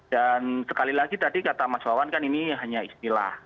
dan sekali lagi tadi kata mas wawan kan ini hanya istilah